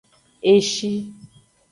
Eshi.